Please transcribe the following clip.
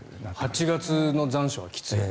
８月の残暑はきつい。